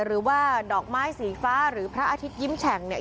หรือว่าดอกไม้สีฟ้าหรือพระอาทิตยิ้มแฉ่งเนี่ย